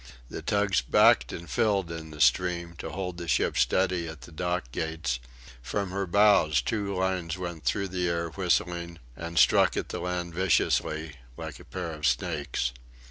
The tugs backed and filled in the stream, to hold the ship steady at the dock gates; from her bows two lines went through the air whistling, and struck at the land viciously, like a pair of snakes.